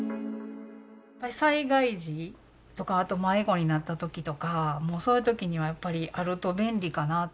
やっぱり災害時とか、あと迷子になったときとか、もうそういうときには、やっぱりあると便利かな。